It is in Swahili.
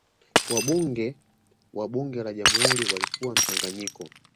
wabunge wa bunge la jamhuri walikuwa mchanganyiko